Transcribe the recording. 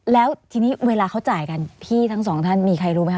แล้วทีนี้เวลาเขาจ่ายกันพี่ทั้งสองท่านมีใครรู้ไหมค